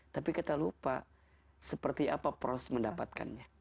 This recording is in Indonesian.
tapi kita lupa seperti apa proses mendapatkannya